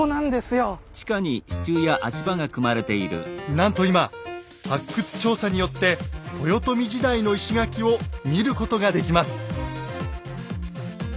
なんと今発掘調査によって豊臣時代の石垣を見ることができます。